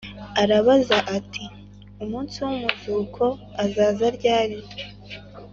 arabaza ati ‘umunsi w’umuzuko uzaza ryari?